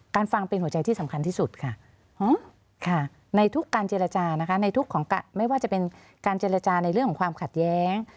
ฟังเป็นหัวใจที่สำคัญที่สุดค่ะในทุกการเจรจานะคะในทุกของไม่ว่าจะเป็นการเจรจาในเรื่องของความขัดแย้ง